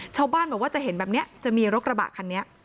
ชาวบ้านบอกว่าจะเห็นแบบนี้จะมีรถกระบะคันนี้